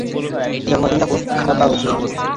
জন্মদিনটা খুব খারাপভাবে শুরু হলো।